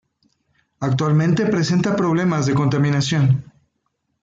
Actualmente presenta problemas de contaminación.